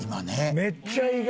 めっちゃ意外。